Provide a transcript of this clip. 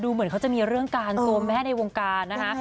เหมือนเขาจะมีเรื่องการตัวแม่ในวงการนะคะ